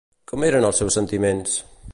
Com eren els seus sentiments?